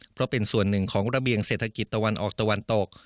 เพราะเป็นส่วนหนึ่งของระเบียงเศรษฐกิจตะวันออกตะวันตก